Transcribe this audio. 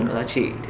có giá trị